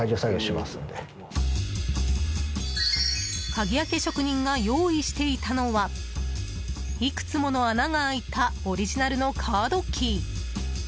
鍵開け職人が用意していたのはいくつもの穴が開いたオリジナルのカードキー。